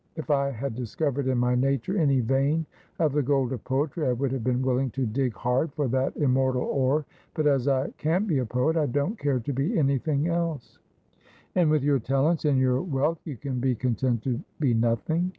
If I had dis covered in my nature any vein of the gold of poetry, I would have been willing to dig hard for that immortal ore ; but as I can't be a poet, I don't care to be anything else.' ' And with your talents and your wealth you can be content to be nothing